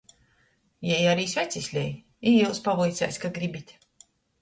Jei ari svecis lej i jius pavuiceis, ka gribit.